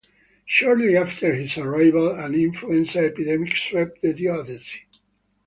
Shortly after his arrival, an influenza epidemic swept the diocese.